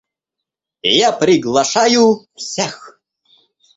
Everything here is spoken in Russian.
Я приглашаю всех.